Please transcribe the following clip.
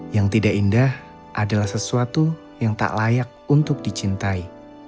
yang tidak indah adalah sesuatu yang tak layak untuk dicintai